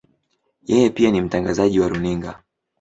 Yeye pia ni mtangazaji wa runinga.